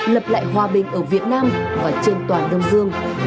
lập lại hòa bình ở việt nam và trên toàn đông dương